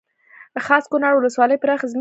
خاص کونړ ولسوالۍ پراخې ځمکې لري